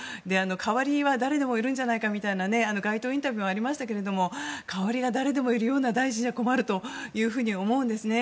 代わりは誰でもいるんじゃないかみたいな街頭インタビューもありましたが代わりは誰でもいるような大臣じゃ困ると思うんですね。